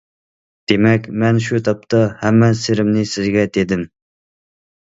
دېمەك، مەن شۇ تاپتا ھەممە سىرىمنى سىزگە دېدىم.